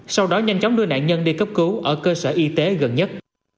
sau đó nhanh chóng đưa nạn nhân đi cấp cứu ở cơ sở y tế gần nhất